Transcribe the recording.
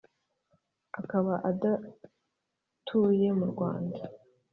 akaba adatuye mu Rwanda